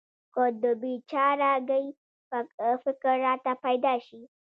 که د بې چاره ګۍ فکر راته پیدا شي.